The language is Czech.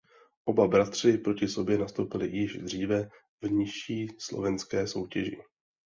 Oba bratři proti sobě nastoupili již dříve v nižší slovenské soutěži.